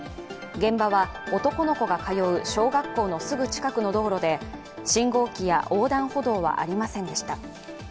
現場は男の子が通う小学校のすぐ近くの道路で信号機や横断歩道はありませんでした。